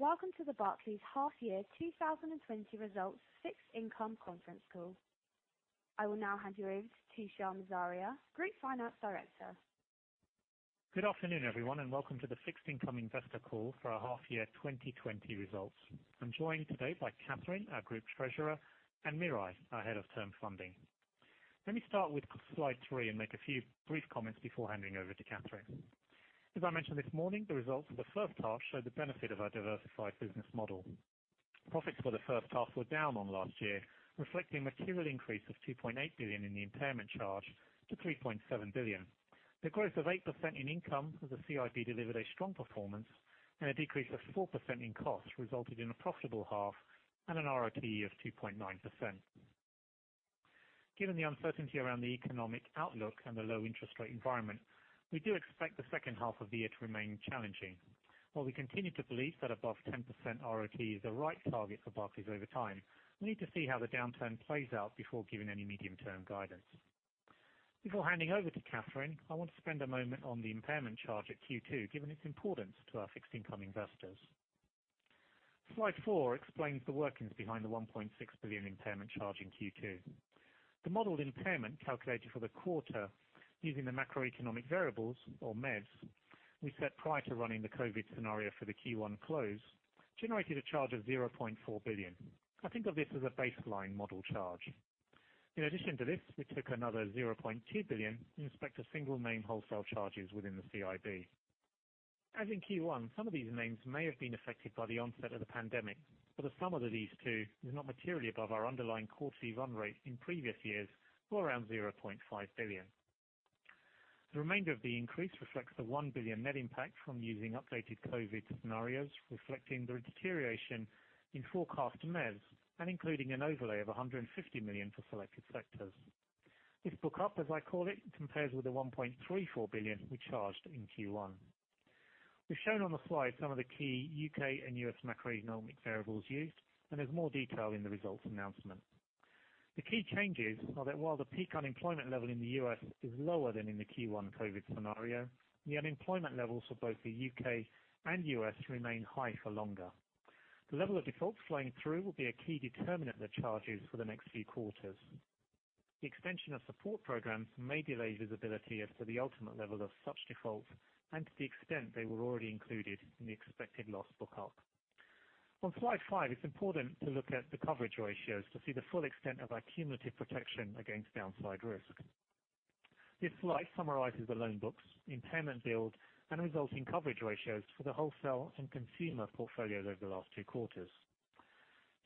Welcome to the Barclays Half-Year 2020 Results Fixed Income Conference Call. I will now hand you over to Tushar Morzaria, Group Finance Director. Good afternoon, everyone, and welcome to the Fixed Income Investor Call for our Half Year 2020 results. I'm joined today by Kathryn, our Group Treasurer, and Miray, our Head of Term Funding. Let me start with slide three and make a few brief comments before handing over to Kathryn. As I mentioned this morning, the results for the first half show the benefit of our diversified business model. Profits for the first half were down on last year, reflecting a material increase of 2.8 billion in the impairment charge to 3.7 billion. The growth of 8% in income as the CIB delivered a strong performance and a decrease of 4% in costs resulted in a profitable half and an ROTE of 2.9%. Given the uncertainty around the economic outlook and the low interest rate environment, we do expect the second half of the year to remain challenging. While we continue to believe that above 10% ROTE is the right target for Barclays over time, we need to see how the downturn plays out before giving any medium-term guidance. Before handing over to Kathryn, I want to spend a moment on the impairment charge at Q2, given its importance to our fixed income investors. Slide four explains the workings behind the 1.6 billion impairment charge in Q2. The modeled impairment calculated for the quarter using the macroeconomic variables or MEVs we set prior to running the COVID scenario for the Q1 close, generated a charge of 0.4 billion. I think of this as a baseline model charge. In addition to this, we took another 0.2 billion in respect to single name wholesale charges within the CIB. As in Q1, some of these names may have been affected by the onset of the pandemic, but the sum of these two is not materially above our underlying core fee run rate in previous years, or around 0.5 billion. The remainder of the increase reflects the 1 billion net impact from using updated COVID scenarios, reflecting the deterioration in forecast MEVs and including an overlay of 150 million for selected sectors. This book up, as I call it, compares with the 1.34 billion we charged in Q1. We've shown on the slide some of the key U.K. and U.S. macroeconomic variables used, and there's more detail in the results announcement. The key changes are that while the peak unemployment level in the U.S. is lower than in the Q1 COVID scenario, the unemployment levels for both the U.K. and U.S. remain high for longer. The level of defaults flowing through will be a key determinant of the charges for the next few quarters. The extension of support programs may delay visibility as to the ultimate level of such defaults and to the extent they were already included in the expected loss book up. On slide five, it's important to look at the coverage ratios to see the full extent of our cumulative protection against downside risk. This slide summarizes the loan book's impairment build and resulting coverage ratios for the wholesale and consumer portfolios over the last two quarters.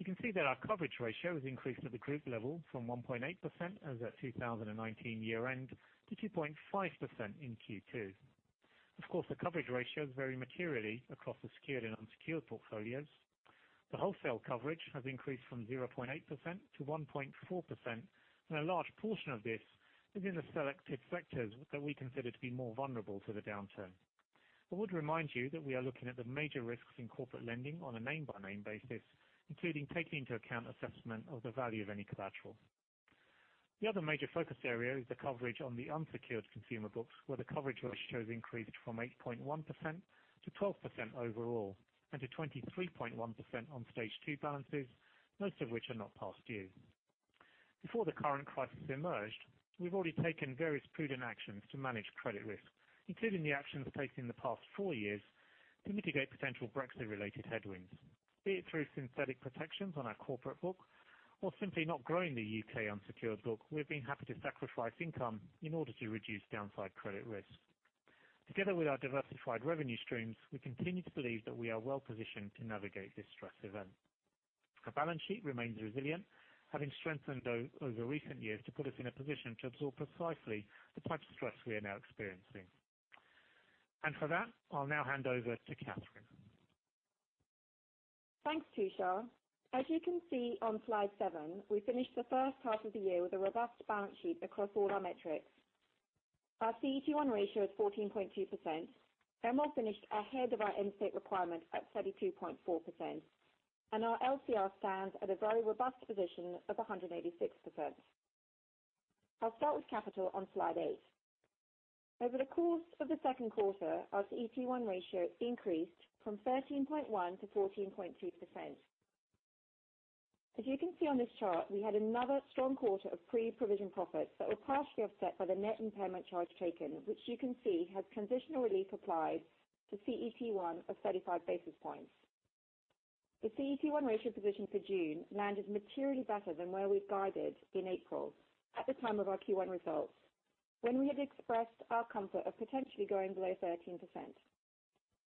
You can see that our coverage ratio has increased at the group level from 1.8% as at 2019 year-end to 2.5% in Q2. Of course, the coverage ratios vary materially across the secured and unsecured portfolios. The wholesale coverage has increased from 0.8%-1.4%, and a large portion of this is in the selected sectors that we consider to be more vulnerable to the downturn. I would remind you that we are looking at the major risks in corporate lending on a name-by-name basis, including taking into account assessment of the value of any collateral. The other major focus area is the coverage on the unsecured consumer books, where the coverage ratios increased from 8.1%-12% overall and to 23.1% on stage two balances, most of which are not past due. Before the current crisis emerged, we've already taken various prudent actions to manage credit risk, including the actions taken in the past four years to mitigate potential Brexit-related headwinds. Be it through synthetic protections on our corporate book or simply not growing the U.K. unsecured book, we've been happy to sacrifice income in order to reduce downside credit risk. Together with our diversified revenue streams, we continue to believe that we are well positioned to navigate this stress event. Our balance sheet remains resilient, having strengthened over recent years to put us in a position to absorb precisely the type of stress we are now experiencing. For that, I'll now hand over to Kathryn. Thanks, Tushar. As you can see on slide seven, we finished the first half of the year with a robust balance sheet across all our metrics. Our CET1 ratio is 14.2%. MREL finished ahead of our end state requirement at 32.4%, and our LCR stands at a very robust position of 186%. I'll start with capital on slide eight. Over the course of the second quarter, our CET1 ratio increased from 13.1%-14.2%. As you can see on this chart, we had another strong quarter of pre-provision profits that were partially offset by the net impairment charge taken, which you can see has transitional relief applied to CET1 of 35 basis points. The CET1 ratio position for June landed materially better than where we'd guided in April at the time of our Q1 results when we had expressed our comfort of potentially going below 13%.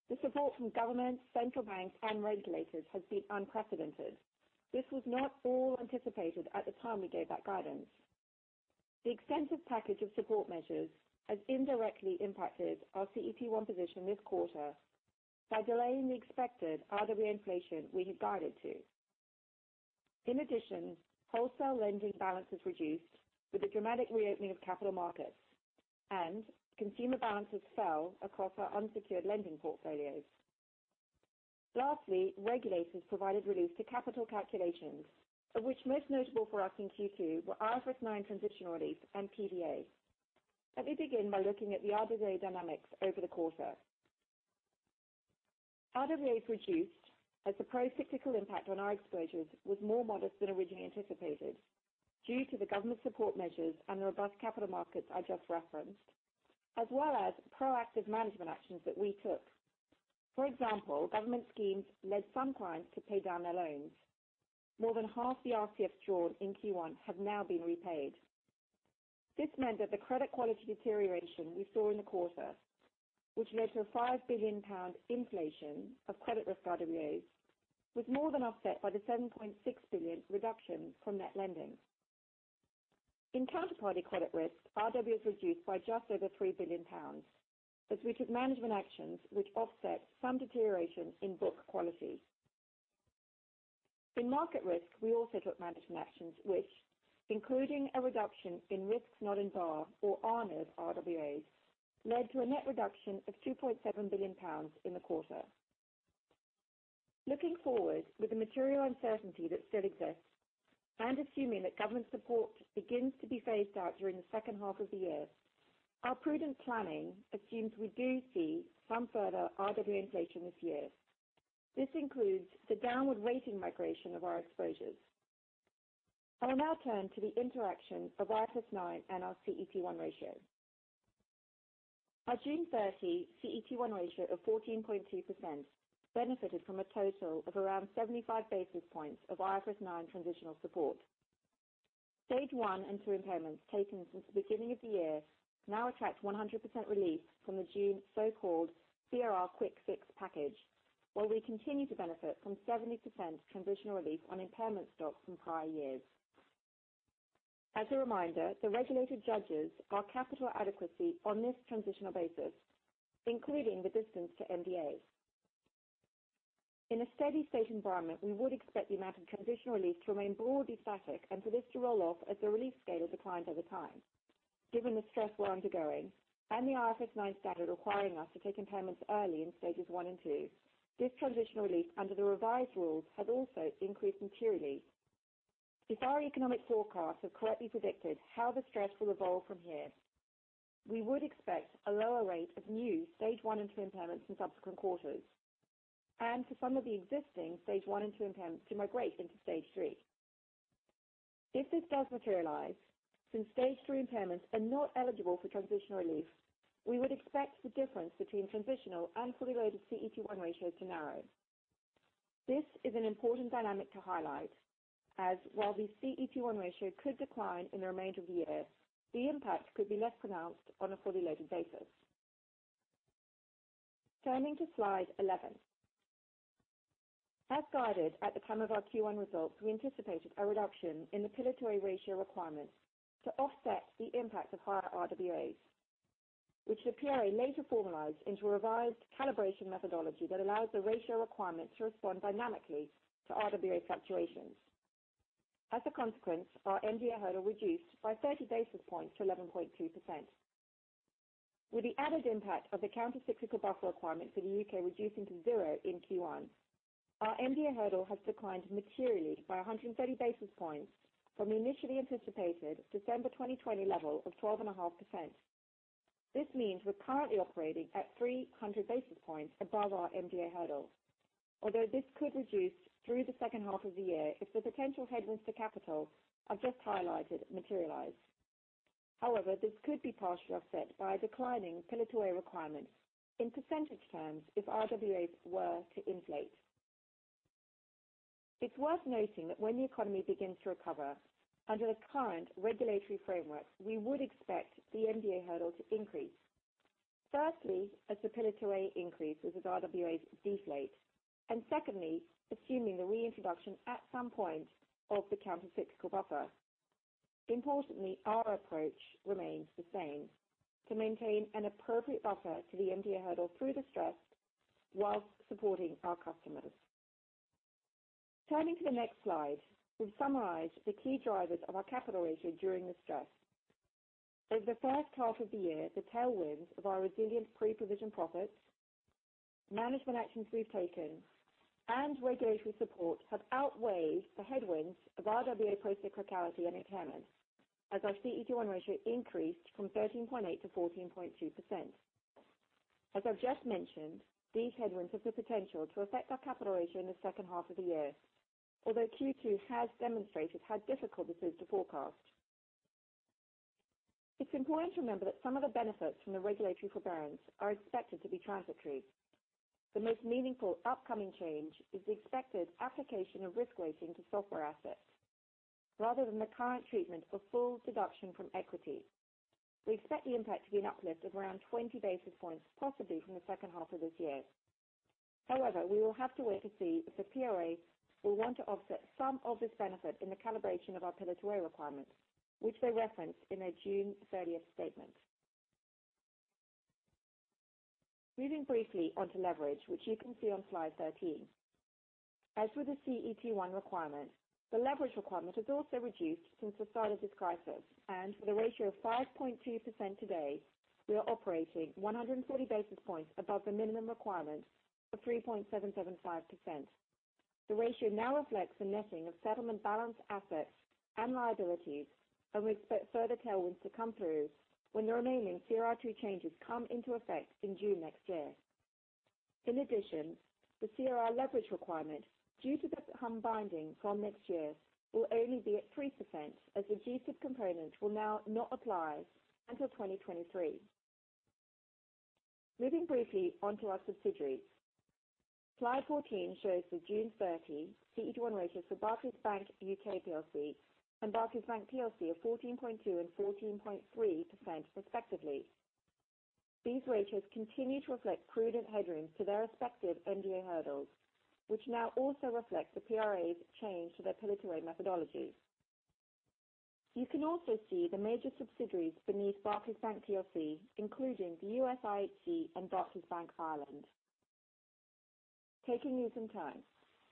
The support from governments, central banks and regulators has been unprecedented. This was not all anticipated at the time we gave that guidance. The extensive package of support measures has indirectly impacted our CET1 position this quarter by delaying the expected RWA inflation we had guided to. In addition, wholesale lending balances reduced with the dramatic reopening of capital markets, and consumer balances fell across our unsecured lending portfolios. Lastly, regulators provided relief to capital calculations, of which most notable for us in Q2 were IFRS9 transitional relief and PVA. Let me begin by looking at the RWA dynamics over the quarter. RWAs reduced as the procyclical impact on our exposures was more modest than originally anticipated due to the government support measures and the robust capital markets I just referenced, as well as proactive management actions that we took. For example, government schemes led some clients to pay down their loans. More than half the RCFs drawn in Q1 have now been repaid. This meant that the credit quality deterioration we saw in the quarter, which led to a 5 billion pound inflation of credit risk RWAs, was more than offset by the 7.6 billion reduction from net lending. In counterparty credit risk, RWAs reduced by just over 3 billion pounds as we took management actions which offset some deterioration in book quality. In market risk, we also took management actions, which including a reduction in risks not in VaR, or RNIV, RWAs, led to a net reduction of 2.7 billion pounds in the quarter. Looking forward, with the material uncertainty that still exists and assuming that government support begins to be phased out during the second half of the year, our prudent planning assumes we do see some further RWA inflation this year. This includes the downward rating migration of our exposures. I will now turn to the interaction of IFRS 9 and our CET1 ratio. Our June 30 CET1 ratio of 14.2% benefited from a total of around 75 basis points of IFRS 9 transitional support. Stage 1 and 2 impairments taken since the beginning of the year now attract 100% relief from the June so-called CRR quick fix package, while we continue to benefit from 70% transitional relief on impairment stocks from prior years. As a reminder, the regulator judges our capital adequacy on this transitional basis, including the distance to MDA. In a steady state environment, we would expect the amount of transitional relief to remain broadly static and for this to roll off as the relief scale declines over time. Given the stress we're undergoing and the IFRS 9 standard requiring us to take impairments early in stages 1 and 2, this transitional relief under the revised rules has also increased materially. If our economic forecasts have correctly predicted how the stress will evolve from here, we would expect a lower rate of new stage 1 and 2 impairments in subsequent quarters, and for some of the existing stage 1 and 2 impairments to migrate into stage 3. If this does materialize, since stage 3 impairments are not eligible for transitional relief, we would expect the difference between transitional and fully loaded CET1 ratios to narrow. This is an important dynamic to highlight, as while the CET1 ratio could decline in the remainder of the year, the impact could be less pronounced on a fully loaded basis. Turning to slide 11. As guided at the time of our Q1 results, we anticipated a reduction in the Pillar 2A ratio requirements to offset the impact of higher RWAs, which the PRA later formalized into a revised calibration methodology that allows the ratio requirements to respond dynamically to RWA fluctuations. As a consequence, our MDA hurdle reduced by 30 basis points to 11.2%. With the added impact of the countercyclical buffer requirement for the U.K. reducing to zero in Q1, our MDA hurdle has declined materially by 130 basis points from the initially anticipated December 2020 level of 12.5%. This means we're currently operating at 300 basis points above our MDA hurdle. Although this could reduce through the second half of the year if the potential headwinds to capital I've just highlighted materialize. However, this could be partially offset by a declining Pillar 2A requirement in percentage terms if RWAs were to inflate. It's worth noting that when the economy begins to recover, under the current regulatory framework, we would expect the MDA hurdle to increase. Firstly, as the Pillar 2A increases as RWAs deflate, and secondly, assuming the reintroduction at some point of the countercyclical buffer. Importantly, our approach remains the same, to maintain an appropriate buffer to the MDA hurdle through the stress whilst supporting our customers. Turning to the next slide, we've summarized the key drivers of our capital ratio during the stress. Over the first half of the year, the tailwinds of our resilient pre-provision profits, management actions we've taken, and regulatory support have outweighed the headwinds of RWA procyclicality and impairments as our CET1 ratio increased from 13.8%-14.2%. As I've just mentioned, these headwinds have the potential to affect our capital ratio in the second half of the year. Q2 has demonstrated how difficult this is to forecast. It's important to remember that some of the benefits from the regulatory forbearance are expected to be transitory. The most meaningful upcoming change is the expected application of risk weighting to software assets rather than the current treatment of full deduction from equity. We expect the impact to be an uplift of around 20 basis points, possibly from the second half of this year. However, we will have to wait to see if the PRA will want to offset some of this benefit in the calibration of our Pillar 2A requirements, which they referenced in their June 30th statement. Moving briefly on to leverage, which you can see on slide 13. As with the CET1 requirement, the leverage requirement has also reduced since the start of this crisis, and with a ratio of 5.2% today, we are operating 140 basis points above the minimum requirement of 3.775%. The ratio now reflects the netting of settlement balance assets and liabilities, and we expect further tailwinds to come through when the remaining CRR2 changes come into effect in June next year. In addition, the CRD leverage requirement due to become binding from next year will only be at 3%, as the G-SIB component will now not apply until 2023. Moving briefly on to our subsidiaries. Slide 14 shows the June 30 CET1 ratios for Barclays Bank U.K. PLC and Barclays Bank PLC of 14.2% and 14.3%, respectively. These ratios continue to reflect prudent headroom to their respective MDA hurdles, which now also reflects the PRA's change to their Pillar 2A methodology. You can also see the major subsidiaries beneath Barclays Bank PLC, including the U.S. IHC and Barclays Bank Ireland. Taking news in turn.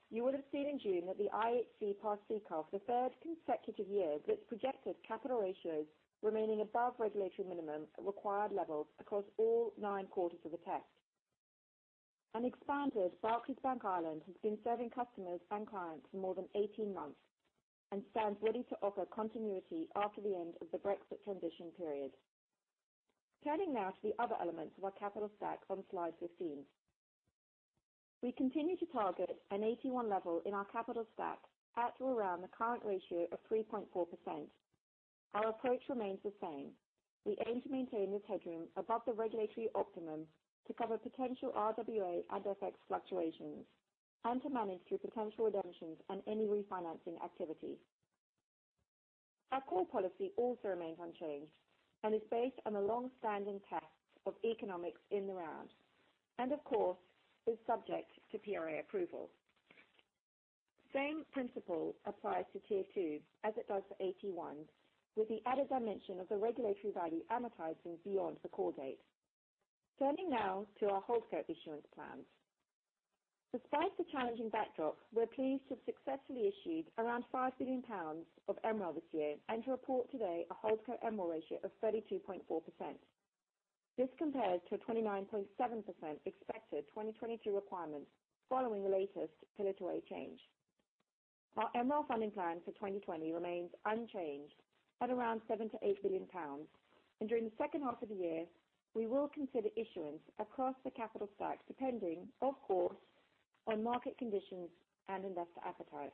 You would have seen in June that the IHC passed CCAR for the third consecutive year with projected capital ratios remaining above regulatory minimum required levels across all nine quarters of the test. An expanded Barclays Bank Ireland has been serving customers and clients for more than 18 months and stands ready to offer continuity after the end of the Brexit transition period. Turning now to the other elements of our capital stack on Slide 15. We continue to target an AT1 level in our capital stack at or around the current ratio of 3.4%. Our approach remains the same. We aim to maintain this headroom above the regulatory optimum to cover potential RWA and FX fluctuations and to manage through potential redemptions and any refinancing activity. Our core policy also remains unchanged and is based on the longstanding test of economics in the round, and of course, is subject to PRA approval. Same principle applies to Tier 2 as it does for AT1, with the added dimension of the regulatory value amortizing beyond the core date. Turning now to our Holdco issuance plans. Despite the challenging backdrop, we're pleased to have successfully issued around 5 billion pounds of MREL this year and to report today a Holdco MREL ratio of 32.4%. This compares to a 29.7% expected 2022 requirement following the latest Pillar 2A change. Our MREL funding plan for 2020 remains unchanged at around 7 billion-8 billion pounds. During the second half of the year, we will consider issuance across the capital stack, depending, of course, on market conditions and investor appetite.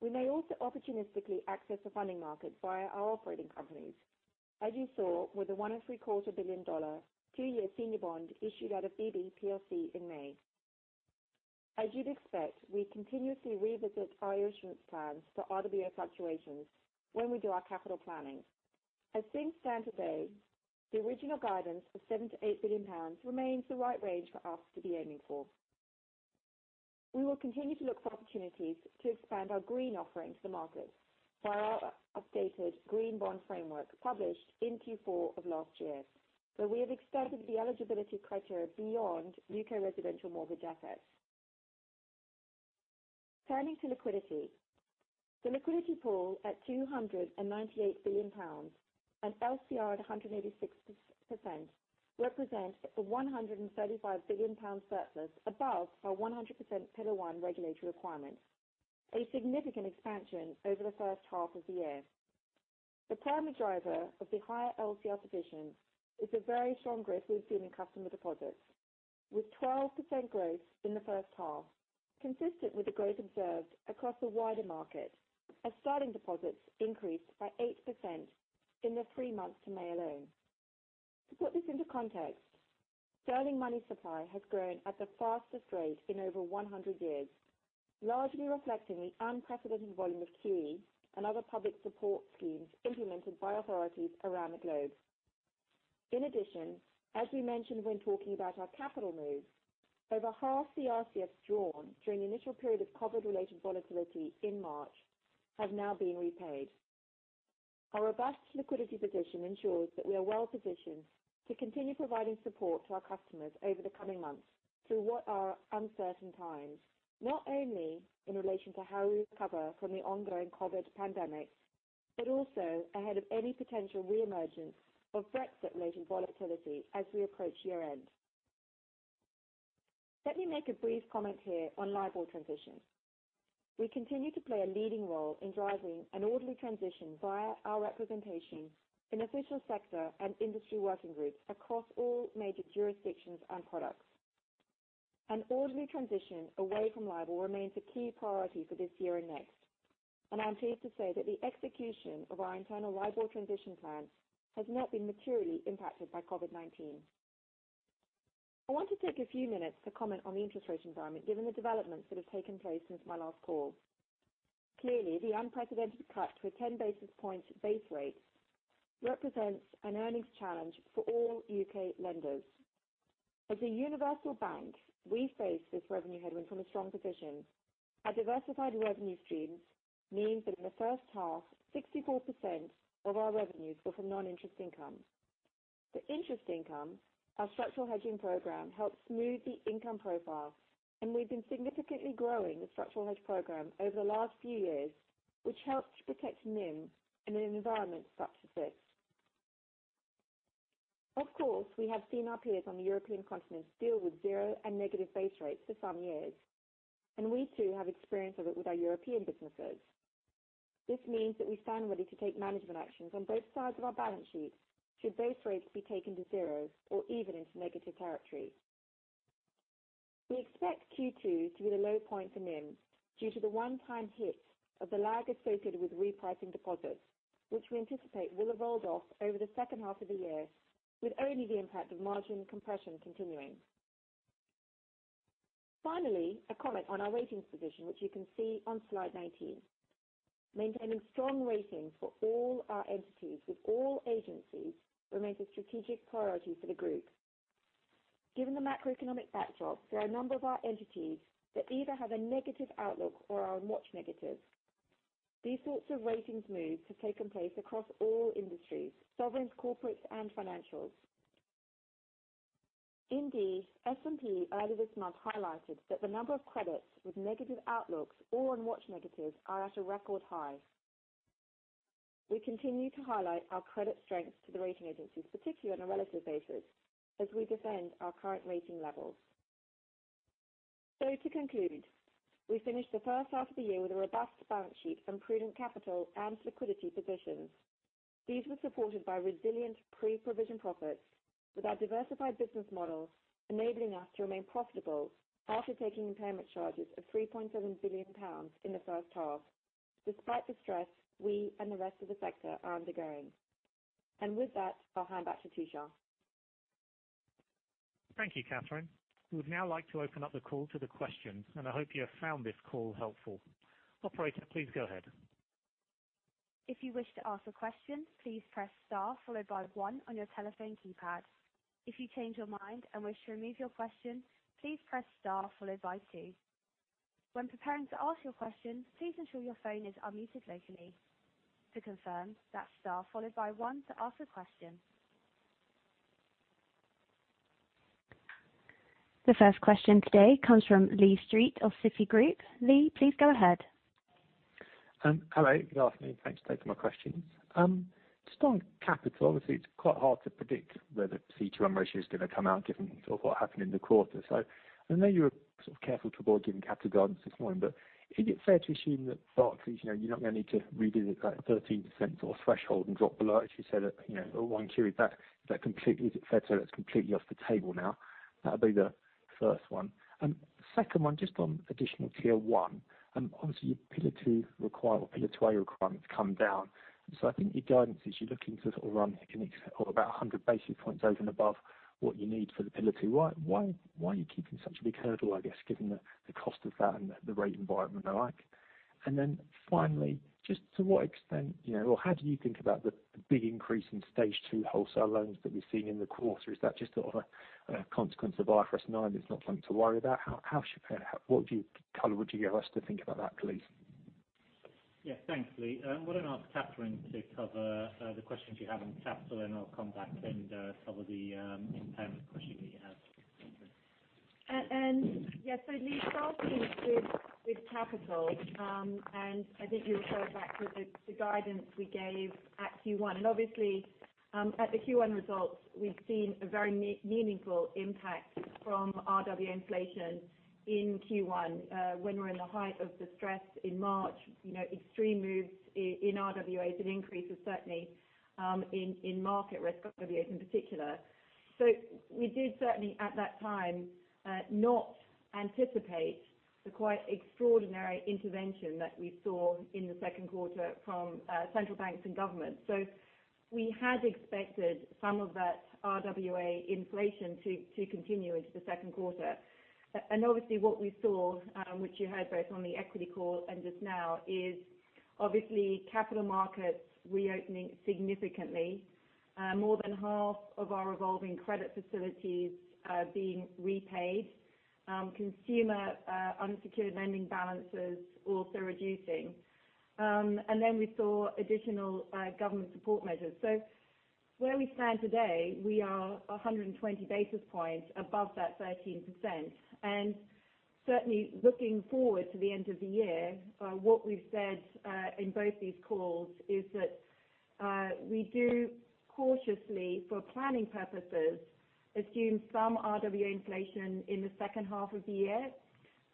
We may also opportunistically access the funding market via our operating companies, as you saw with the $1.75 billion two-year senior bond issued out of BB PLC in May. As you'd expect, we continuously revisit our issuance plans for RWA fluctuations when we do our capital planning. As things stand today, the original guidance of 7 billion-8 billion pounds remains the right range for us to be aiming for. We will continue to look for opportunities to expand our green offering to the market via our updated green bond framework published in Q4 of last year, where we have extended the eligibility criteria beyond U.K. residential mortgage assets. Turning to liquidity. The liquidity pool at 298 billion pounds and LCR at 186% represent a 135 billion pound surplus above our 100% Pillar 1 regulatory requirement, a significant expansion over the first half of the year. The primary driver of the higher LCR position is the very strong growth we've seen in customer deposits, with 12% growth in the first half, consistent with the growth observed across the wider market, as sterling deposits increased by 8% in the three months to May alone. To put this into context, sterling money supply has grown at the fastest rate in over 100 years, largely reflecting the unprecedented volume of QE and other public support schemes implemented by authorities around the globe. In addition, as we mentioned when talking about our capital move, over half the RCFs drawn during the initial period of COVID-related volatility in March have now been repaid. Our robust liquidity position ensures that we are well positioned to continue providing support to our customers over the coming months through what are uncertain times, not only in relation to how we recover from the ongoing COVID pandemic, but also ahead of any potential re-emergence of Brexit-related volatility as we approach year-end. Let me make a brief comment here on LIBOR transition. We continue to play a leading role in driving an orderly transition via our representation in official sector and industry working groups across all major jurisdictions and products. An orderly transition away from LIBOR remains a key priority for this year and next, and I'm pleased to say that the execution of our internal LIBOR transition plan has not been materially impacted by COVID-19. I want to take a few minutes to comment on the interest rate environment, given the developments that have taken place since my last call. Clearly, the unprecedented cut to a 10-basis-point base rate represents an earnings challenge for all U.K. lenders. As a universal bank, we face this revenue headwind from a strong position. Our diversified revenue streams mean that in the first half, 64% of our revenues were from non-interest income. For interest income, our structural hedging program helped smooth the income profile, and we've been significantly growing the structural hedge program over the last few years, which helped to protect NIM in an environment such as this. Of course, we have seen our peers on the European continent deal with zero and negative base rates for some years. We too have experience of it with our European businesses. This means that we stand ready to take management actions on both sides of our balance sheet should base rates be taken to zero or even into negative territory. We expect Q2 to be the low point for NIM due to the one-time hit of the lag associated with repricing deposits, which we anticipate will have rolled off over the second half of the year, with only the impact of margin compression continuing. Finally, a comment on our ratings position, which you can see on slide 19. Maintaining strong ratings for all our entities with all agencies remains a strategic priority for the group. Given the macroeconomic backdrop, there are a number of our entities that either have a negative outlook or are on watch negative. These sorts of ratings moves have taken place across all industries, sovereigns, corporates, and financials. S&P earlier this month highlighted that the number of credits with negative outlooks or on watch negative are at a record high. We continue to highlight our credit strengths to the rating agencies, particularly on a relative basis, as we defend our current rating levels. To conclude, we finished the first half of the year with a robust balance sheet and prudent capital and liquidity positions. These were supported by resilient pre-provision profits, with our diversified business model enabling us to remain profitable after taking impairment charges of 3.7 billion pounds in the first half, despite the stress we and the rest of the sector are undergoing. With that, I'll hand back to Tushar. Thank you, Kathryn. We would now like to open up the call to the questions, and I hope you have found this call helpful. Operator, please go ahead. If you wish to ask a question, please press star followed by one on your telephone keypad. If you change your mind and wish to remove your question, please press star followed by two. When preparing to ask your question, please ensure your phone is unmuted locally. To confirm, that's star followed by one to ask a question. The first question today comes from Lee Street of Citigroup. Lee, please go ahead. Hello, good afternoon. Thanks for taking my questions. Just on capital, obviously it's quite hard to predict where the CET1 ratio is going to come out given what happened in the quarter. I know you were careful to avoid giving capital guidance this morning, but is it fair to assume that Barclays, you're not going to need to revisit that 13% threshold and drop below it? You said at 1Q, is it fair to say that's completely off the table now? That'll be the first one. Second one, just on Additional Tier 1. Obviously, Pillar 2 requirements come down. I think your guidance is you're looking to run about 100 basis points over and above what you need for the Pillar 2. Why are you keeping such a big hurdle, I guess, given the cost of that and the rate environment alike? Finally, just to what extent or how do you think about the big increase in stage 2 wholesale loans that we've seen in the quarter? Is that just sort of a consequence of IFRS 9 that's not something to worry about? What view, color would you give us to think about that, please? Yeah. Thanks, Lee. Why don't I ask Kathryn to cover the questions you have on capital, and I'll come back then cover the impairment question that you have. Yeah. Lee, starting with capital, I think you refer back to the guidance we gave at Q1. Obviously, at the Q1 results, we've seen a very meaningful impact from RWA inflation in Q1 when we're in the height of the stress in March, extreme moves in RWAs and increases certainly in market risk RWAs in particular. We did certainly at that time not anticipate the quite extraordinary intervention that we saw in the second quarter from central banks and governments. So, we had expected some of that RWA inflation to continue into the second quarter. And obviously what we saw, which you heard both on the equity call and just now, is obviously capital markets reopening significantly. More than half of our revolving credit facilities are being repaid. Consumer unsecured lending balances also reducing. We saw additional government support measures. Where we stand today, we are 120 basis points above that 13%. Certainly looking forward to the end of the year, what we've said, in both these calls is that we do cautiously, for planning purposes, assume some RWA inflation in the second half of the year.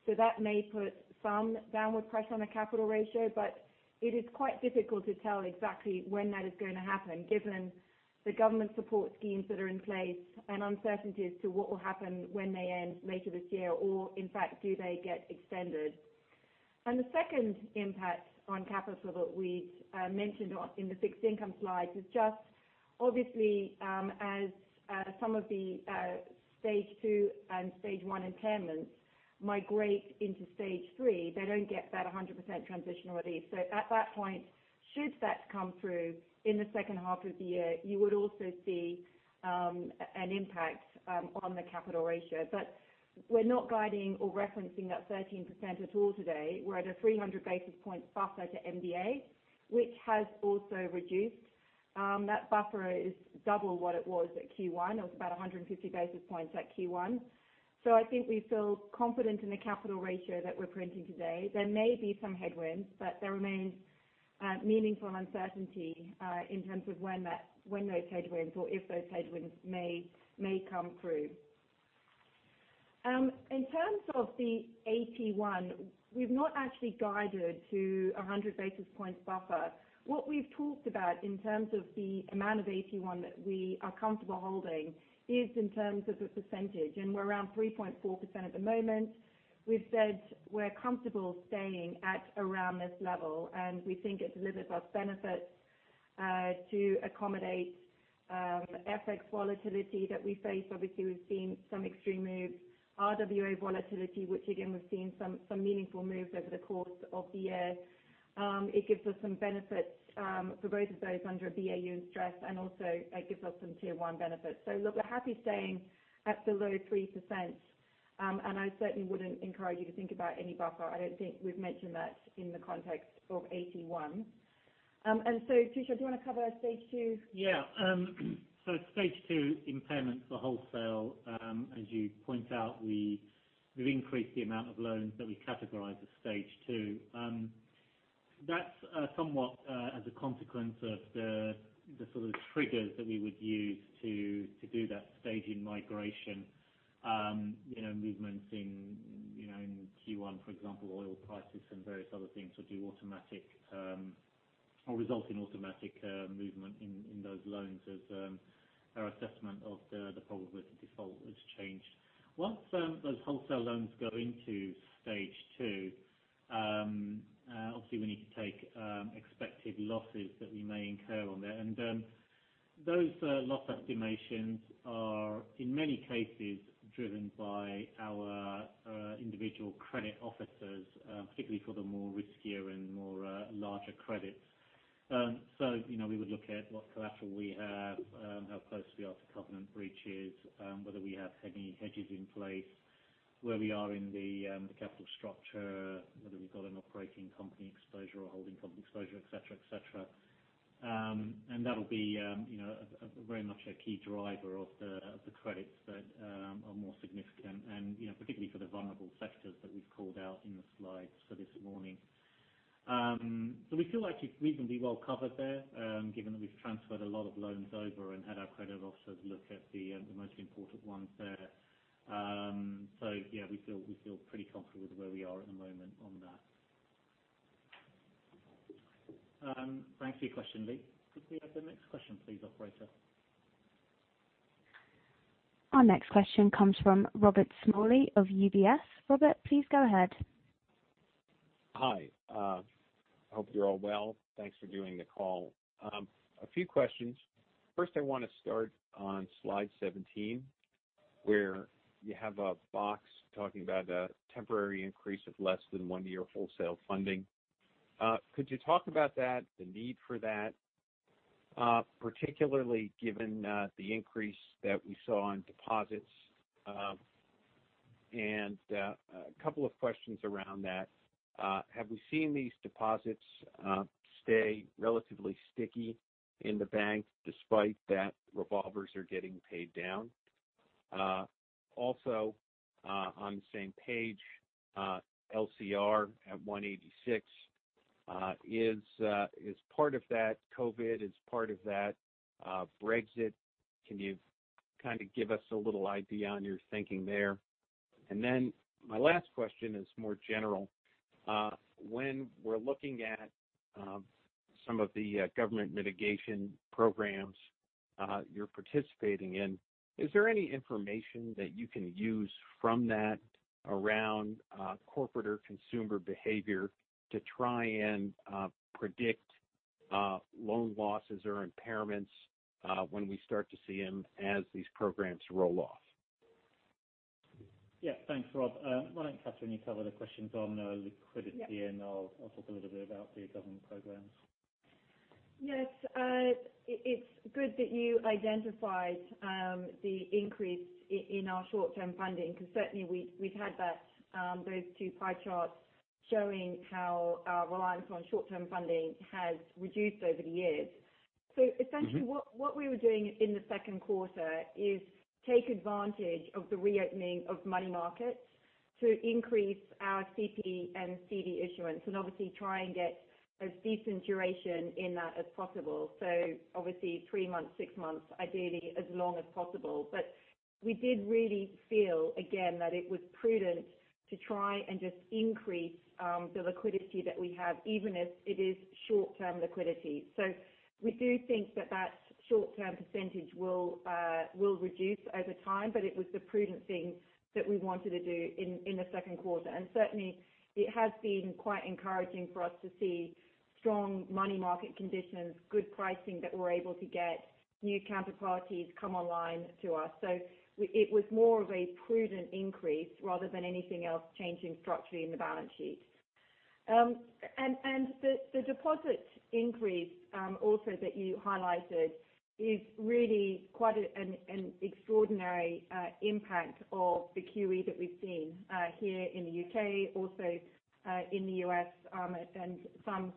That may put some downward pressure on the capital ratio, but it is quite difficult to tell exactly when that is going to happen given the government support schemes that are in place and uncertainty as to what will happen when they end later this year, or in fact, do they get extended. The second impact on capital that we mentioned in the fixed income slide is just obviously, as some of the stage 2 and stage 1 impairments migrate into stage 3, they don't get that 100% transitional relief. At that point, should that come through in the second half of the year, you would also see an impact on the capital ratio. We're not guiding or referencing that 13% at all today. We're at a 300 basis point buffer to MDA, which has also reduced. That buffer is double what it was at Q1. It was about 150 basis points at Q1. I think we feel confident in the capital ratio that we're printing today. There may be some headwinds, but there remains meaningful uncertainty in terms of when those headwinds, or if those headwinds may come through. In terms of the AT1, we've not actually guided to 100 basis points buffer. What we've talked about in terms of the amount of AT1 that we are comfortable holding is in terms of a percentage, and we're around 3.4% at the moment. We've said we're comfortable staying at around this level, and we think it delivers us benefits to accommodate FX volatility that we face. Obviously, we've seen some extreme moves. RWA volatility, which again, we've seen some meaningful moves over the course of the year. It gives us some benefits for both of those under a BAU stress, and also it gives us some Tier 1 benefits. Look, we're happy staying at below 3%, and I certainly wouldn't encourage you to think about any buffer. I don't think we've mentioned that in the context of AT1. Tushar, do you want to cover stage 2? Stage 2 impairments for wholesale, as you point out, we've increased the amount of loans that we categorize as stage 2. That's somewhat as a consequence of the sort of triggers that we would use to do that stage in migration. Movements in Q1, for example, oil prices and various other things would do automatic or result in automatic movement in those loans as our assessment of the probability of default has changed. Once those wholesale loans go into stage 2, obviously we need to take expected losses that we may incur on there. Those loss estimations are, in many cases, driven by our individual credit officers, particularly for the riskier and larger credits. We would look at what collateral we have, how close we are to covenant breaches, whether we have any hedges in place, where we are in the capital structure, whether we've got an operating company exposure or a holding company exposure, et cetera. That'll be very much a key driver of the credits that are more significant and particularly for the vulnerable sectors that we've called out in the slides for this morning. We feel like it's reasonably well covered there, given that we've transferred a lot of loans over and had our credit officers look at the most important ones there. Yeah, we feel pretty comfortable with where we are at the moment on that. Thanks for your question, Lee. Could we have the next question please, operator? Our next question comes from Robert Smalley of UBS. Robert, please go ahead. Hi. Hope you're all well. Thanks for doing the call. A few questions. First, I want to start on slide 17, where you have a box talking about a temporary increase of less than one year wholesale funding. Could you talk about that, the need for that, particularly given the increase that we saw on deposits? A couple of questions around that. Have we seen these deposits stay relatively sticky in the bank despite that revolvers are getting paid down? On the same page, LCR at 186. Is part of that COVID? Is part of that Brexit? Can you give us a little idea on your thinking there? My last question is more general. When we're looking at some of the government mitigation programs you're participating in, is there any information that you can use from that around corporate or consumer behavior to try and predict loan losses or impairments when we start to see them as these programs roll off? Yeah. Thanks, Rob. Why don't Kathryn, you cover the questions on liquidity. Yeah I'll talk a little bit about the government programs. Yes. It's good that you identified the increase in our short-term funding, because certainly we've had those two pie charts showing how our reliance on short-term funding has reduced over the years. What we were doing in the second quarter is take advantage of the reopening of money markets to increase our CP and CD issuance, and obviously try and get as decent duration in that as possible. Obviously three months, six months, ideally as long as possible. We did really feel, again, that it was prudent to try and just increase the liquidity that we have, even if it is short-term liquidity. We do think that that short-term percentage will reduce over time, but it was the prudent thing that we wanted to do in the second quarter. Certainly, it has been quite encouraging for us to see strong money market conditions, good pricing that we're able to get, new counterparties come online to us. It was more of a prudent increase rather than anything else changing structurally in the balance sheet. The deposit increase also that you highlighted is really quite an extraordinary impact of the QE that we've seen here in the U.K., also in the U.S., and some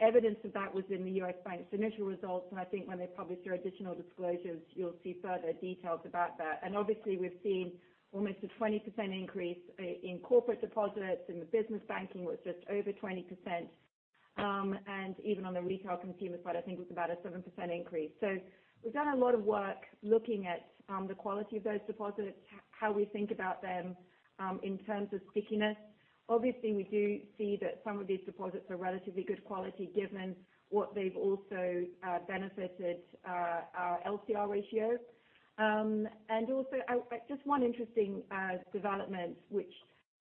evidence of that was in the U.S. bank's initial results. I think when they publish their additional disclosures, you'll see further details about that. Obviously, we've seen almost a 20% increase in corporate deposits, in the business banking was just over 20%. And even on the retail consumer side, I think it was about a 7% increase. We've done a lot of work looking at the quality of those deposits, how we think about them in terms of stickiness. Obviously, we do see that some of these deposits are relatively good quality given what they've also benefited our LCR ratio. Also, just one interesting development which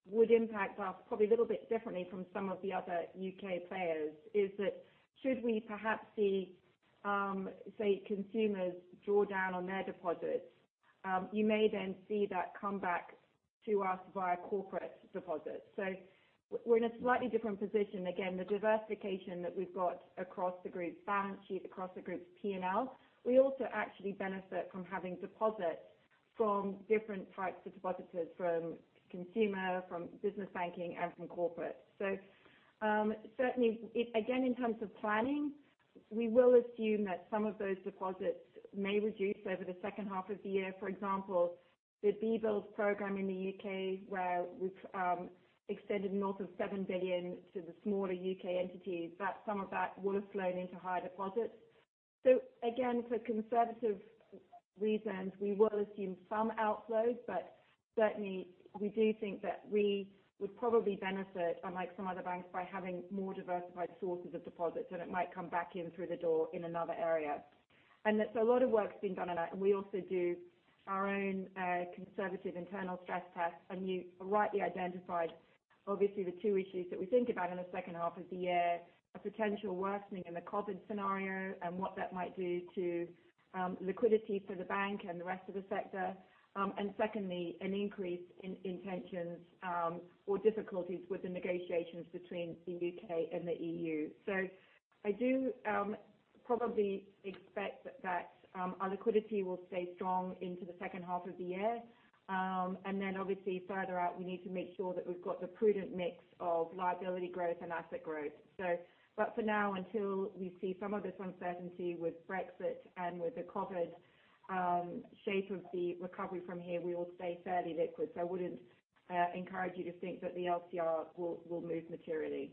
would impact us probably a little bit differently from some of the other U.K. players is that should we perhaps see consumers draw down on their deposits, you may then see that come back to us via corporate deposits. We're in a slightly different position. Again, the diversification that we've got across the group's balance sheet, across the group's P&L. We also actually benefit from having deposits from different types of depositors, from consumer, from business banking, and from corporate. Certainly, again, in terms of planning, we will assume that some of those deposits may reduce over the second half of the year. For example, the BBLS program in the U.K., where we've extended north of 7 billion to the smaller U.K. entities. Some of that will have flowed into higher deposits. Again, for conservative reasons, we will assume some outflows. Certainly, we do think that we would probably benefit, unlike some other banks, by having more diversified sources of deposits, and it might come back in through the door in another area. A lot of work's been done on that, and we also do our own conservative internal stress tests. You rightly identified, obviously, the two issues that we think about in the second half of the year, a potential worsening in the COVID scenario and what that might do to liquidity for the bank and the rest of the sector. Secondly, an increase in tensions or difficulties with the negotiations between the U.K. and the EU. I do probably expect that our liquidity will stay strong into the second half of the year. Obviously further out, we need to make sure that we've got the prudent mix of liability growth and asset growth. For now, until we see some of this uncertainty with Brexit and with the COVID shape of the recovery from here, we will stay fairly liquid. I wouldn't encourage you to think that the LCR will move materially.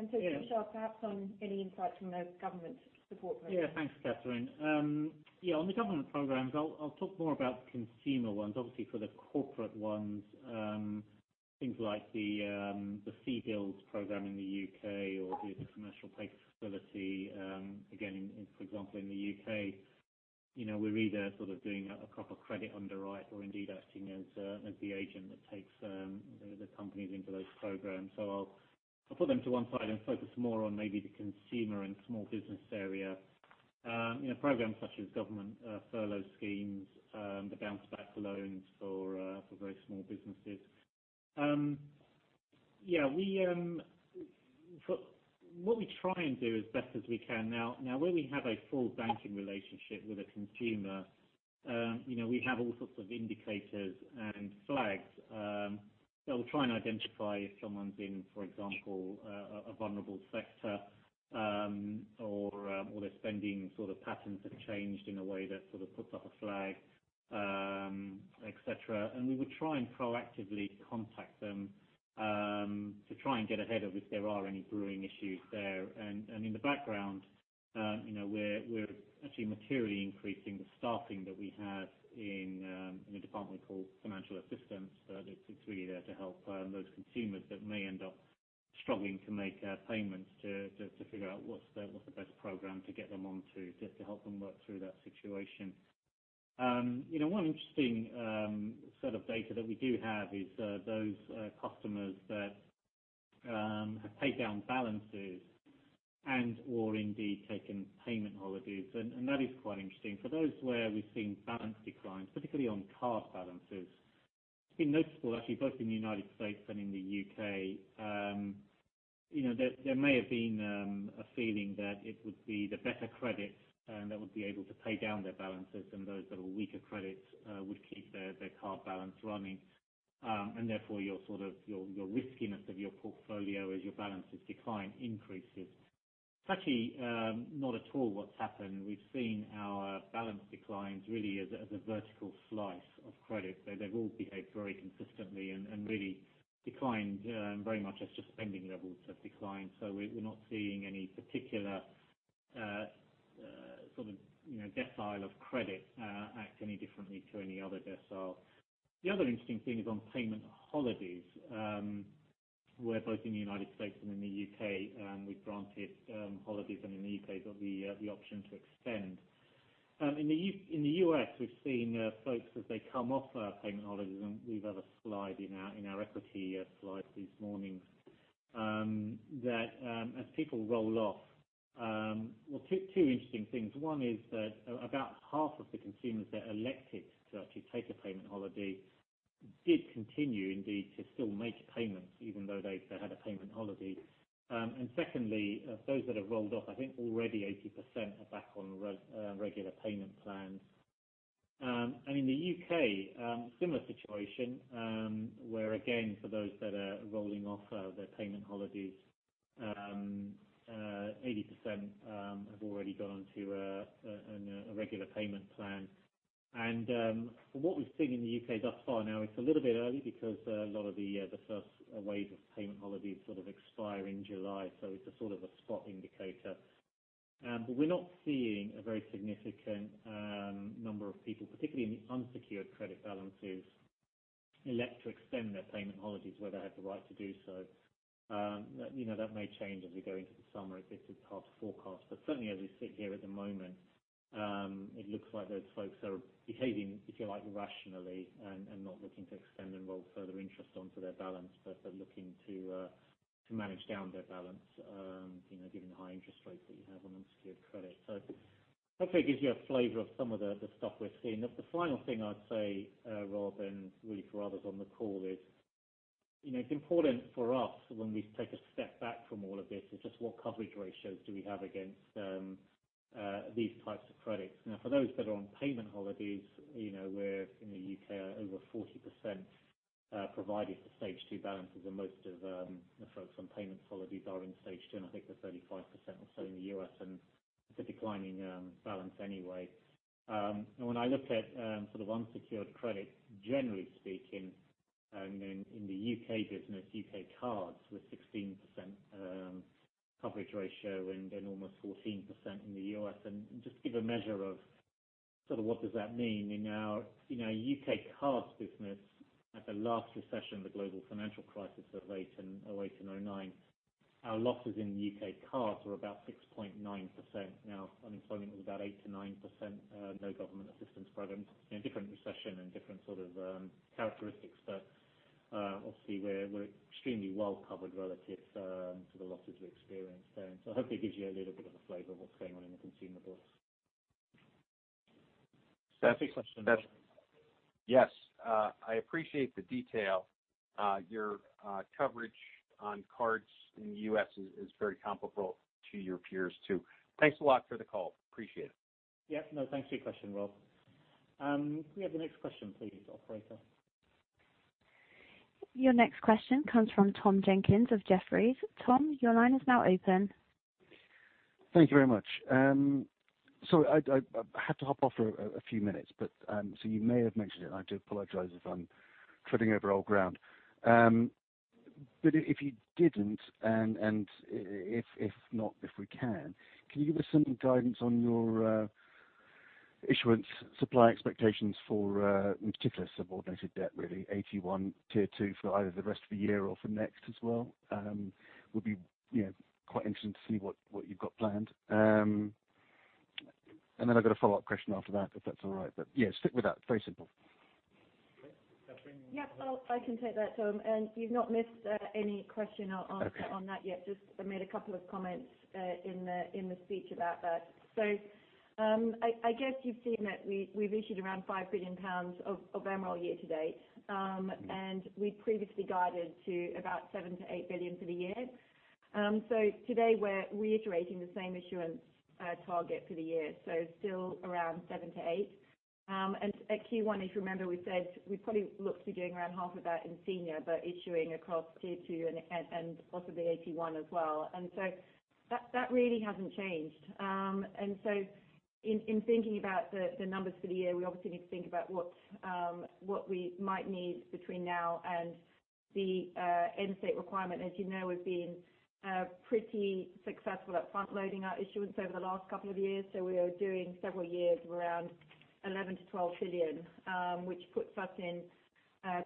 Tushar, perhaps on any insight from the government support program. Thanks, Kathryn. On the government programs, I'll talk more about consumer ones. Obviously, for the corporate ones, things like the CBILS program in the U.K. or be it the Commercial Paper Facility. Again, for example, in the U.K., we're either sort of doing a proper credit underwrite or indeed acting as the agent that takes the companies into those programs. I'll put them to one side and focus more on maybe the consumer and small business area. Programs such as government furlough schemes, the Bounce Back Loans for very small businesses. What we try and do as best as we can now, where we have a full banking relationship with a consumer, we have all sorts of indicators and flags that will try and identify if someone's in, for example, a vulnerable sector, or their spending patterns have changed in a way that sort of puts up a flag, et cetera. We would try and proactively contact them to try and get ahead of if there are any brewing issues there. In the background, we're actually materially increasing the staffing that we have in a department we call financial assistance. It's really there to help those consumers that may end up struggling to make payments to figure out what's the best program to get them onto, just to help them work through that situation. One interesting set of data that we do have is those customers that have paid down balances and/or indeed taken payment holidays. That is quite interesting. For those where we've seen balance declines, particularly on card balances, it's been notable actually, both in the United States and in the U.K. There may have been a feeling that it would be the better credit that would be able to pay down their balances than those that are weaker credits would keep their card balance running. Therefore your riskiness of your portfolio as your balances decline increases. It's actually not at all what's happened. We've seen our balance declines really as a vertical slice of credit. They've all behaved very consistently and really declined very much as just spending levels have declined. We're not seeing any particular decile of credit act any differently to any other decile. The other interesting thing is on payment holidays, where both in the United States and in the U.K. we've granted holidays, and in the U.K. you've got the option to extend. In the U.S. we've seen folks as they come off payment holidays, and we have a slide in our equity slide this morning, that as people roll off, well, two interesting things. One is that about half of the consumers that elected to actually take a payment holiday did continue indeed to still make payments even though they had a payment holiday. Secondly, those that have rolled off, I think already 80% are back on regular payment plans. In the U.K., similar situation where again, for those that are rolling off their payment holidays 80% have already gone to a regular payment plan. From what we've seen in the U.K. thus far, now it's a little bit early because a lot of the first wave of payment holidays sort of expire in July, so it's a sort of a spot indicator. We're not seeing a very significant number of people, particularly in the unsecured credit balances, elect to extend their payment holidays where they have the right to do so. That may change as we go into the summer if this is hard to forecast, but certainly as we sit here at the moment, it looks like those folks are behaving, if you like, rationally and not looking to extend and roll further interest onto their balance, but they're looking to manage down their balance, given the high interest rates that you have on unsecured credit. Hopefully it gives you a flavor of some of the stuff we're seeing. The final thing I'd say, Rob, and really for others on the call is, it's important for us when we take a step back from all of this is just what coverage ratios do we have against these types of credits. For those that are on payment holidays, where in the U.K. are over 40%, provided for stage 2 balances and most of the folks on payment holidays are in stage 2, and I think they're 35% or so in the U.S., and it's a declining balance anyway. When I look at sort of unsecured credit, generally speaking, in the U.K. business, U.K. cards with 16% coverage ratio and then almost 14% in the U.S., and just give a measure of sort of what does that mean in our U.K. cards business at the last recession, the global financial crisis of 2008 and 2009. Our losses in the U.K. cards were about 6.9%. Unemployment was about 8%-9%, no government assistance programs, different recession and different sort of characteristics. Obviously we're extremely well covered relative to the losses we experienced then. Hopefully it gives you a little bit of a flavor of what's going on in the consumer books. Yes. I appreciate the detail. Your coverage on cards in the U.S. is very comparable to your peers too. Thanks a lot for the call. Appreciate it. Yeah, no, thanks for your question, Rob. Can we have the next question please, operator? Your next question comes from Tom Jenkins of Jefferies. Tom, your line is now open. Thank you very much. Sorry, I had to hop off for a few minutes, so you may have mentioned it, and I do apologize if I'm treading over old ground. If you didn't, and if not, if we can you give us some guidance on your issuance supply expectations for in particular subordinated debt, really AT1, Tier 2 for either the rest of the year or for next as well? Would be quite interested to see what you've got planned. Then I've got a follow-up question after that, if that's all right, but yeah, stick with that. Very simple. Kathryn, you want to Yeah, I can take that, Tom. You've not missed any question or answer on that yet. Okay. Just I made a couple of comments in the speech about that. I guess you've seen that we've issued around 5 billion pounds of MREL year-to-date, and we previously guided to about 7 billion-8 billion for the year. Today we're reiterating the same issuance target for the year, still around 7 billion-8 billion. At Q1, if you remember, we said we probably look to be doing around half of that in senior but issuing across Tier 2 and possibly AT1 as well. That really hasn't changed. In thinking about the numbers for the year, we obviously need to think about what we might need between now and the end state requirement. As you know, we've been pretty successful at front-loading our issuance over the last couple of years. We are doing several years of around 11 billion-12 trillion, which puts us in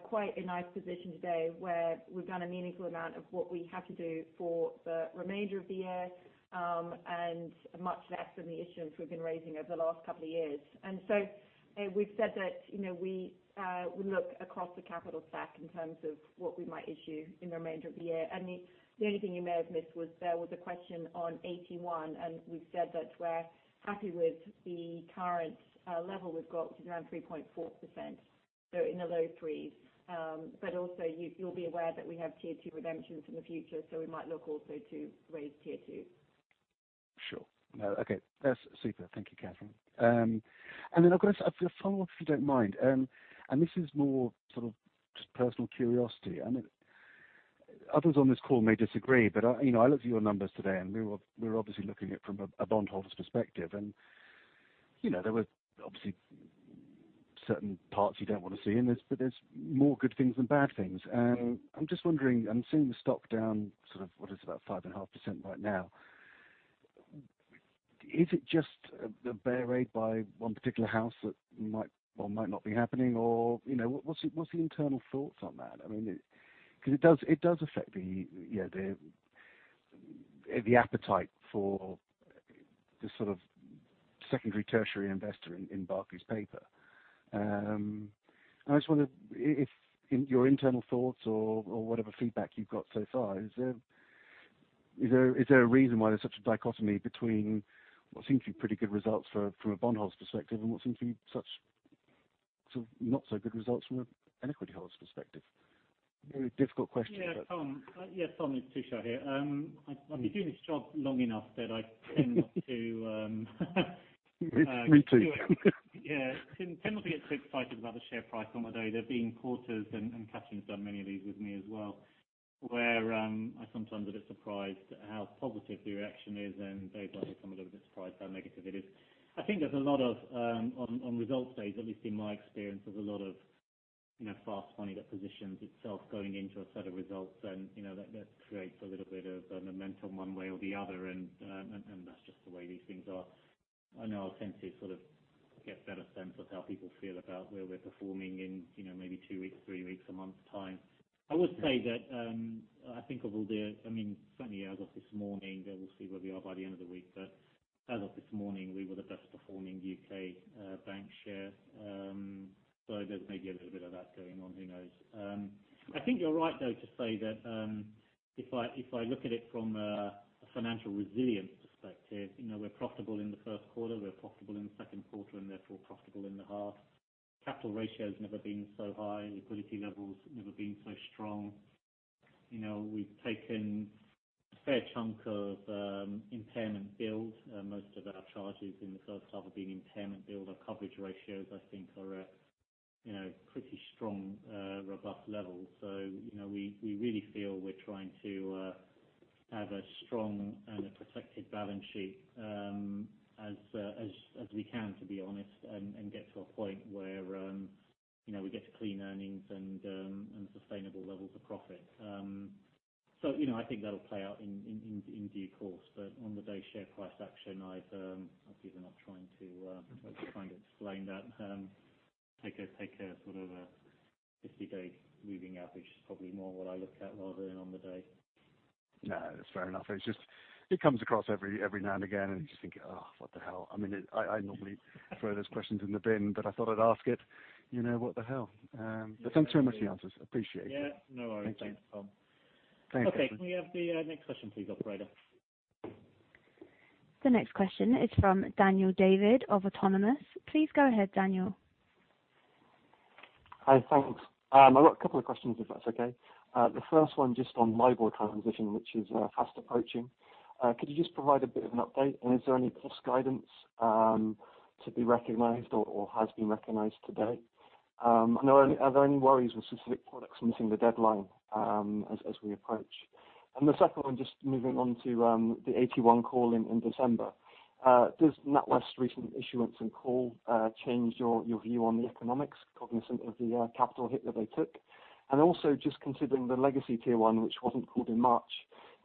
quite a nice position today where we've done a meaningful amount of what we have to do for the remainder of the year, and much less than the issuance we've been raising over the last couple of years. We've said that we look across the capital stack in terms of what we might issue in the remainder of the year. The only thing you may have missed was there was a question on AT1, and we've said that we're happy with the current level we've got, which is around 3.4%, so in the low 3s. Also you'll be aware that we have Tier 2 redemptions in the future, so we might look also to raise Tier 2. Sure. No, okay. That's super. Thank you, Kathryn. I've got a follow-up, if you don't mind. This is more sort of just personal curiosity. Others on this call may disagree, I looked at your numbers today, and we're obviously looking at it from a bond holder's perspective. There were obviously certain parts you don't want to see in this, there's more good things than bad things. I'm just wondering, I'm seeing the stock down sort of what is it, about 5.5% right now. Is it just the bear raid by one particular house that might or might not be happening, or what's the internal thoughts on that? It does affect the appetite for the sort of secondary tertiary investor in Barclays paper. I just wonder if in your internal thoughts or whatever feedback you've got so far, is there a reason why there's such a dichotomy between what seem to be pretty good results from a bondholder's perspective and what seem to be such not so good results from an equityholder's perspective? Very difficult question. Yeah, Tom. It's Tushar here. I've been doing this job long enough that I tend not to. Me too. Yeah. Tend not to get too excited about the share price on the day. There have been quarters, and Kathryn's done many of these with me as well, where I'm sometimes a bit surprised at how positive the reaction is, and days like this, I'm a little bit surprised how negative it is. I think there's a lot of, on results days, at least in my experience, there's a lot of fast money that positions itself going into a set of results, and that creates a little bit of a momentum one way or the other, and that's just the way these things are. I know our senses sort of get a better sense of how people feel about where we're performing in maybe two weeks, three weeks, a month's time. I would say that, I think of all the certainly as of this morning, though we'll see where we are by the end of the week. As of this morning, we were the best performing U.K. bank share. There's maybe a little bit of that going on, who knows. I think you're right, though, to say that if I look at it from a financial resilience perspective, we're profitable in the first quarter, we're profitable in the second quarter, and therefore profitable in the half. Capital ratio has never been so high. Liquidity levels have never been so strong. We've taken a fair chunk of impairment build. Most of our charges in the first half have been impairment build. Our coverage ratios, I think are at pretty strong, robust levels. We really feel we're trying to have a strong and a protected balance sheet as we can, to be honest, and get to a point where we get to clean earnings and sustainable levels of profit. I think that'll play out in due course. On the day share price action, I'm obviously not trying to explain that. Take a sort of a 50-day moving average is probably more what I look at rather than on the day. No, that's fair enough. It comes across every now and again, you just think, "Oh, what the hell." I normally throw those questions in the bin, I thought I'd ask it. What the hell. Thanks very much for the answers. Appreciate it. Yeah, no worries. Thank you. Thanks, Tom. Thanks, Kathryn. Okay. Can we have the next question please, operator? The next question is from Daniel David of Autonomous. Please go ahead, Daniel. Hi. Thanks. I've got a couple of questions, if that's okay. The first one just on LIBOR transition, which is fast approaching. Could you just provide a bit of an update? Is there any cost guidance to be recognized or has been recognized to date? Are there any worries with specific products missing the deadline as we approach? The second one, just moving on to the AT1 call in December. Does NatWest recent issuance and call change your view on the economics cognizant of the capital hit that they took? Also just considering the legacy Tier 1, which wasn't called in March,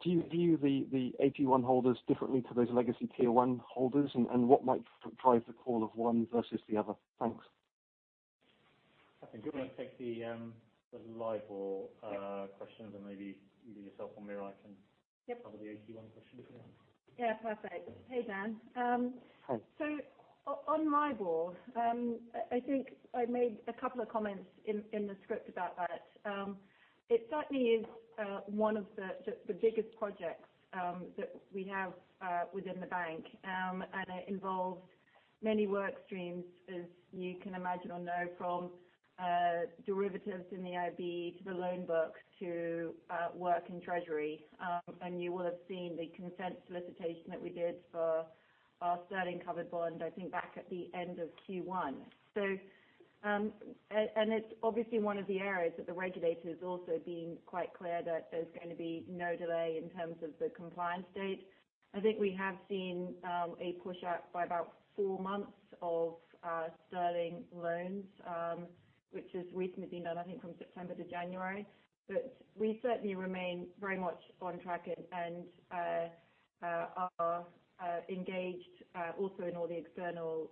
do you view the AT1 holders differently to those legacy Tier 1 holders? What might drive the call of one versus the other? Thanks. Kathryn, do you want to take the LIBOR question and maybe either yourself or Miray can cover the AT1 question? Yeah. Perfect. Hey, Dan. Hi. On LIBOR, I think I made a couple of comments in the script about that. It's certainly one of the biggest projects that we now have within the bank, and it involves many work streams, as you can imagine or know, from derivatives in the IB to the loan books to work in treasury. You will have seen the consent solicitation that we did for our sterling covered bond, I think back at the end of Q1. It's obviously one of the areas that the regulator has also been quite clear that there's going to be no delay in terms of the compliance date. I think we have seen a push out by about four months of sterling loans, which has recently been done, I think, from September to January. We certainly remain very much on track and are engaged also in all the external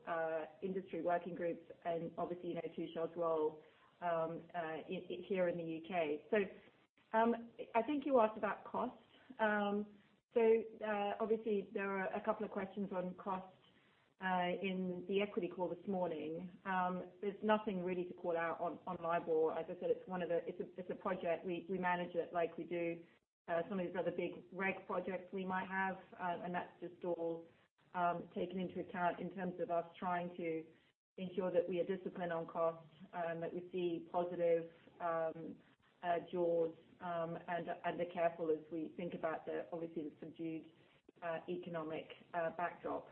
industry working groups and obviously you know Tushar's role here in the U.K. I think you asked about cost. Obviously there are a couple of questions on cost in the equity call this morning. There's nothing really to call out on LIBOR. As I said, it's a project. We manage it like we do some of these other big reg projects we might have. That's just all taken into account in terms of us trying to ensure that we are disciplined on cost and that we see positive jaws and are careful as we think about the, obviously the subdued economic backdrop.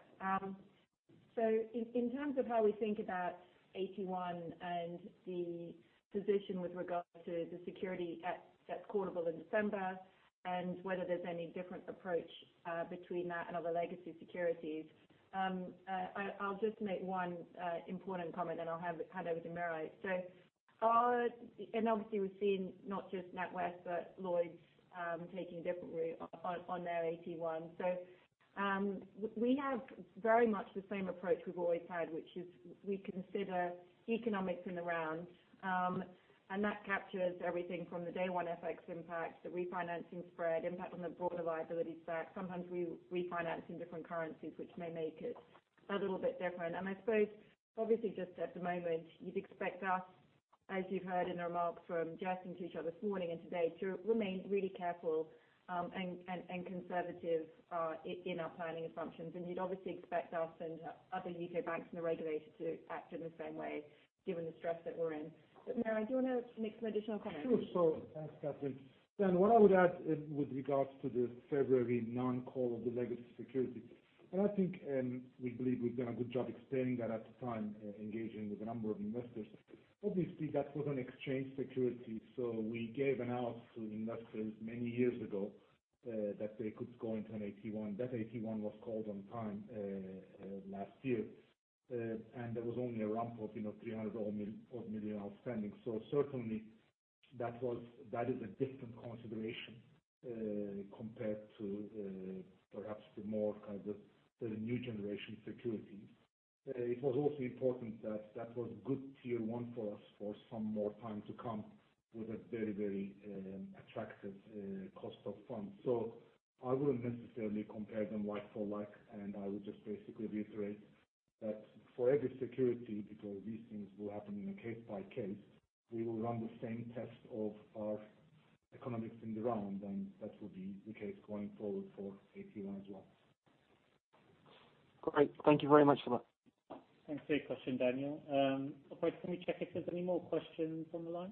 In terms of how we think about AT1 and the position with regard to the security that's callable in December and whether there's any different approach between that and other legacy securities. I'll just make one important comment, and I'll hand over to Miray. Obviously, we've seen not just NatWest but Lloyds taking a different route on their AT1. We have very much the same approach we've always had, which is we consider economics in the round. That captures everything from the day one FX impact, the refinancing spread, impact on the broader liabilities stack. Sometimes we refinance in different currencies, which may make it a little bit different. I suppose obviously just at the moment, you'd expect us as you've heard in remarks from Jes and Tushar this morning and today, to remain really careful and conservative in our planning assumptions. You'd obviously expect us and other U.K. banks and the regulators to act in the same way given the stress that we're in. Miray, do you want to make some additional comments? Sure. Thanks, Kathryn. Dan, what I would add with regards to the February non-call of the legacy security, and I think we believe we've done a good job explaining that at the time, engaging with a number of investors. Obviously, that was an exchange security, so we gave an out to investors many years ago that they could go into an AT1. That AT1 was called on time last year, and there was only a rump of 300 odd million outstanding. Certainly, that is a different consideration compared to perhaps the more kind of the new generation securities. It was also important that that was good Tier 1 for us for some more time to come with a very attractive cost of funds. I wouldn't necessarily compare them like for like, and I would just basically reiterate that for every security, because these things will happen in a case by case, we will run the same test of our economics in the round, and that will be the case going forward for AT1 as well. Great. Thank you very much. Thanks for your question, Daniel. Operator, can we check if there's any more questions on the line?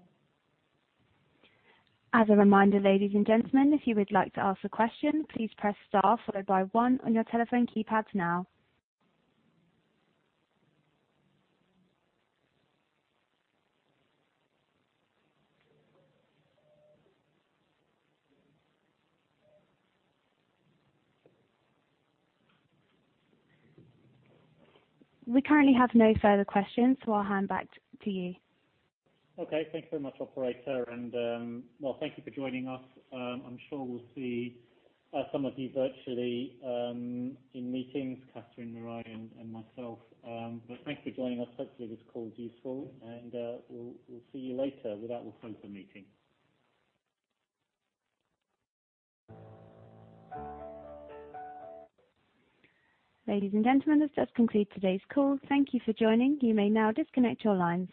As a reminder, ladies and gentlemen, if you would like to ask a question, please press star followed by one on your telephone keypads now. We currently have no further questions, so I'll hand back to you. Okay. Thanks very much, operator. Well, thank you for joining us. I'm sure we'll see some of you virtually in meetings, Kathryn, Miray, and myself. Thanks for joining us. Hopefully, this call is useful, and we'll see you later. With that, we'll close the meeting. Ladies and gentlemen, this does conclude today's call. Thank you for joining. You may now disconnect your lines.